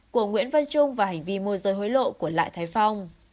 của nguyễn văn trung và hành vi môi giới hối lộ của lại thái phong